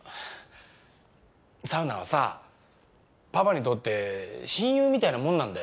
サウナはさぁパパにとって親友みたいなもんなんだよ。